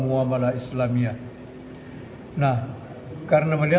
melambangkan empat buah tiang yang berdiri